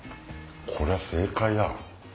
こりゃ正解だ。